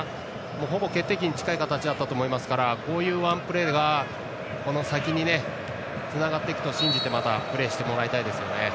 ほぼ決定機に近い形だったと思いますからこういうワンプレーが先につながっていくと信じてまたプレーしてもらいたいです。